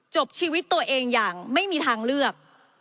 จบชีวิตตัวเองอย่างไม่มีทางเลือก